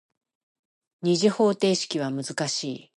二次方程式は難しい。